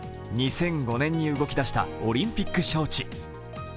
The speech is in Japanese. ２００５年に動き出したオリンピック招致。